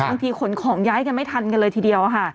บางทีขนขอมยายไม่ทันเลยทีเดียว